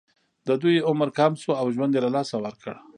د دوی عمر کم شو او ژوند یې له لاسه ورکړ.